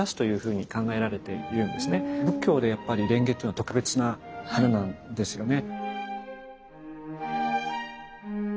仏教でやっぱり蓮華というのは特別な花なんですよね。